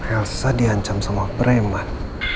elsa diancam sama breman